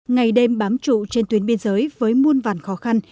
ngày đêm bám trụ trên tuyến biên giới với muôn vàn khó khăn